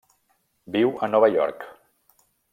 Viu a Nova York.